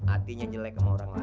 artinya jelek sama orang lain